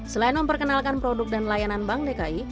selain memperkenalkan produk dan layanan bank dki